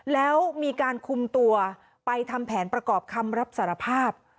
แล้วมีการคุมตัวไปทำแผนประกอบคำรับสารภาพ